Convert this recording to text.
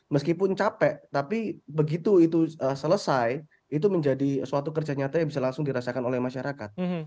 meskipun capek tapi begitu itu selesai itu menjadi suatu kerja nyata yang bisa langsung dirasakan oleh masyarakat